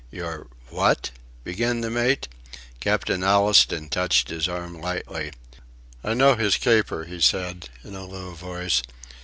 "Your... what?" began the mate. Captain Allistoun touched his arm lightly. "I know his caper," he said, in a low voice.